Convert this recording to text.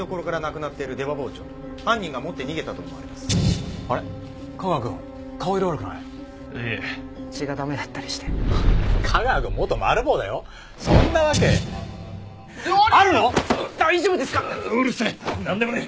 なんでもねえ。